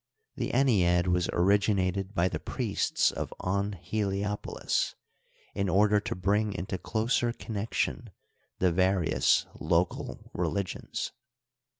The ennead was originated by the priests of On Heliopolis in order to bring into closer connection the various local religions.